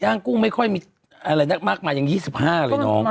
งกุ้งไม่ค่อยมีอะไรมากมายยัง๒๕เลยน้อง